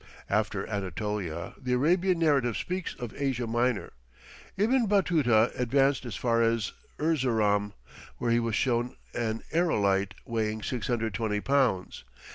After Anatolia, the Arabian narrative speaks of Asia Minor. Ibn Batuta advanced as far as Erzeroum, where he was shown an aerolite weighing 620 pounds.